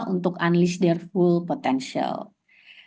untuk mencapai potensi penuh